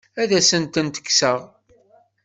Ad asent-tent-kkseɣ?